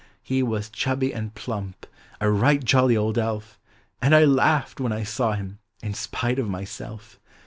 He was chubby aud plump, — a right jolly old elf; And I laughed, when 1 saw him. in spite of myself.